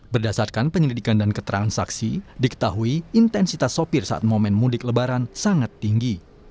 berdasarkan penyelidikan dan keterangan saksi diketahui intensitas sopir saat momen mudik lebaran sangat tinggi